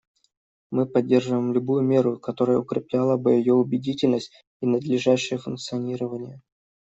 Мы поддерживаем любую меру, которая укрепляла бы ее убедительность и надлежащее функционирование.